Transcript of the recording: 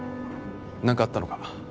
何かあったのか？